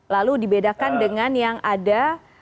lalu dibedakan dengan yang ada